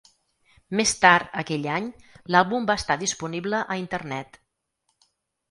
Més tard aquell any, l'àlbum va estar disponible a Internet.